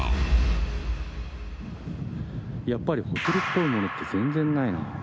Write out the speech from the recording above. やっぱりホテルっぽいものって全然ないな。